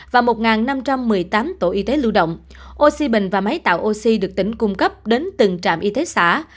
và một năm trăm một mươi tám tổ y tế lưu động oxy bình và máy tạo oxy được tỉnh cung cấp đến từng trạm y tế xã